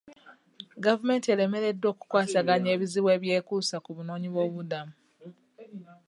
Gavumenti eremereddwa okukwasaganya ebizibu ebyekuusa ku banoonyiboobubudamu.